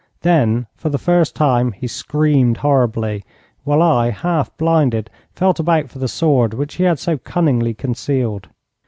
Then, for the first time, he screamed horribly, while I, half blinded, felt about for the sword which he had so cunningly concealed.